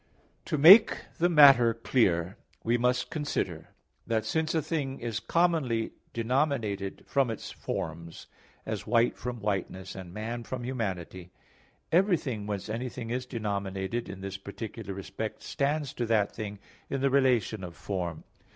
To make the matter clear, we must consider that since a thing is commonly denominated from its forms, as "white" from whiteness, and "man" from humanity; everything whence anything is denominated, in this particular respect stands to that thing in the relation of form.